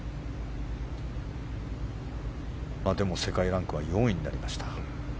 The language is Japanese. でも世界ランクは４位になりました。